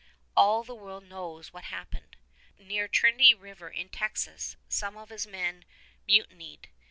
All the world knows what happened. Near Trinity River in Texas some of his men mutinied.